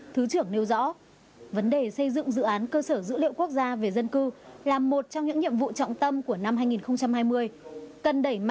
thứ trưởng nêu rõ vấn đề xây dựng dự án cơ sở dữ liệu quốc gia về dân cư là một trong những nhiệm vụ trọng tâm của năm hai nghìn hai mươi